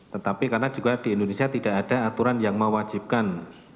tetapi karena juga di indonesia tidak ada aturan yang mewajibkan